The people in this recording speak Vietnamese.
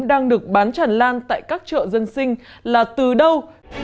đang được bán tràn lan tại các chợ dân sinh là từ đâu